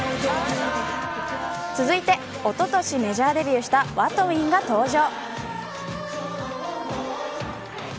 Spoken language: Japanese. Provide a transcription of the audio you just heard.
続いて、おととしメジャーデビューしたＷＡＴＷＩＮＧが登場。